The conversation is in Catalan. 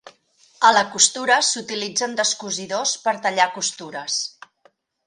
A la costura s'utilitzen descosidors per tallar costures.